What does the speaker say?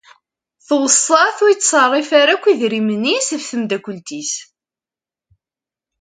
Tweṣṣa-t ur yetṣerrif ara yakk idrimen-is ɣef temdakult-is.